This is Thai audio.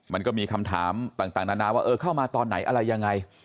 มันก็มีคำถามต่างนานาว่าเออเข้ามาตอนไหนอะไรยังไง